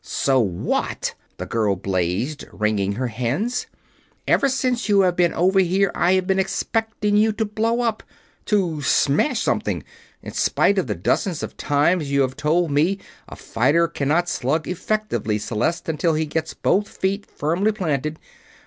"So what!" the girl blazed, wringing her hands. "Ever since you have been over here I have been expecting you to blow up to smash something in spite of the dozens of times you have told me 'a fighter can not slug effectively, Celeste, until he gets both feet firmly planted.'